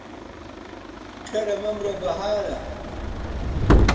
کەرە مەمرە بەهارە.